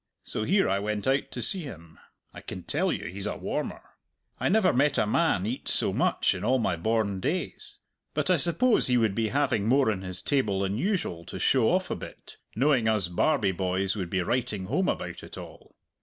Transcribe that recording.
So here I went out to see him. I can tell you he's a warmer! I never saw a man eat so much in all my born days but I suppose he would be having more on his table than usual to show off a bit, knowing us Barbie boys would be writing home about it all.